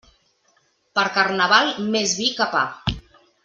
Per Carnaval, més vi que pa.